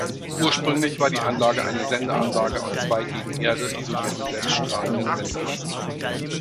Ursprünglich war die Anlage eine Sendeanlage aus zwei gegen Erde isolierten selbststrahlenden Sendemasten.